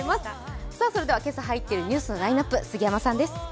それでは今朝入っているニュースのラインナップ、杉山さんです。